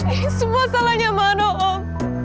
ini semua salahnya mano om